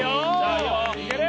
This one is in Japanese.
・いける！